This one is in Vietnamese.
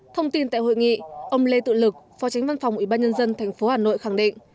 thông tin tại hội nghị ông lê tự lực phó tránh văn phòng ubnd tp hà nội khẳng định